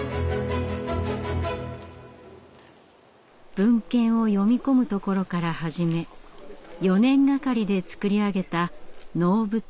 文献を読み込むところから始め４年がかりで造り上げた能舞台。